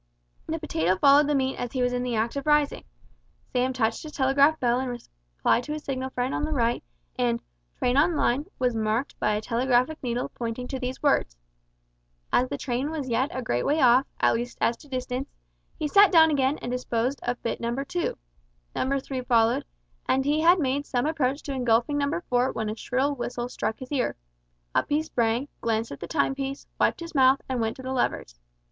The potato followed the meat as he was in the act of rising. Sam touched his telegraphic bell in reply to his signal friend on the right, and "Train on line" was marked by a telegraphic needle pointing to these words. As the train was yet a great way off, at least as to distance, he sat down again and disposed of bit number two. Number three followed, and he had made some approach to engulfing number four when a shrill whistle struck his ear. Up he sprang, glanced at the time piece, wiped his mouth, and went to the levers.